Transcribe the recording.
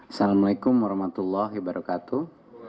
assalamu'alaikum warahmatullahi wabarakatuh